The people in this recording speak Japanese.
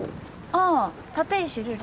あ立石瑠璃？